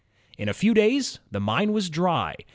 In a few days the mine was dry.